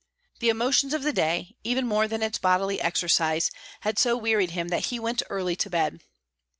The emotions of the day, even more than its bodily exercise, had so wearied him that he went early to bed.